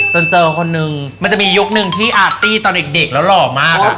จนเจอคนนึงมันจะมียุคนึงที่อาร์ตี้ตอนเด็กแล้วหล่อมากครับ